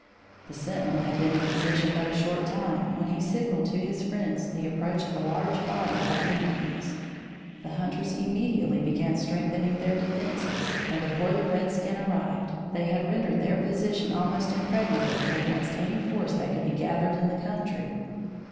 The sentinel had been in position but a short time when he signalled to his friends the approach of a large body of Indians. The hunters immediately began strengthening their defences, and before the redskin arrived, they had rendered their position almost impregnable against any force that could be gathered in the country.